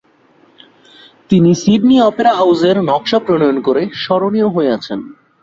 তিনি Sydney Opera হাউসের নকশা প্রণয়ন করে স্মরণীয় হয়ে আছেন।